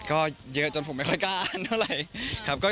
ก็เยอะจนผมไม่ค่อยกล้าอ้านเท่าไหร่ครับ